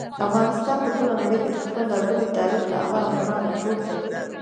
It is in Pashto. افغانستان په ټوله نړۍ کې د خپل لرغوني تاریخ له امله خورا مشهور دی.